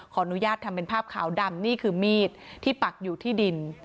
ขออนุญาตทำเป็นภาพขาวดำนี่คือมีดที่ปักอยู่ที่ดิน